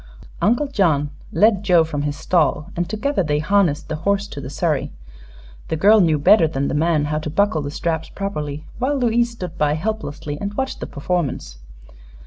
Uncle John led Joe from his stall and together they harnessed the horse to the surrey. The girl knew better than the man how to buckle the straps properly, while Louise stood by helplessly and watched the performance.